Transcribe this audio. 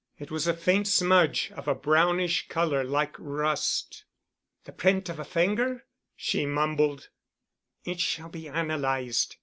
It was a faint smudge, of a brownish color like rust. "The print of a finger?" she mumbled. "It shall be analyzed.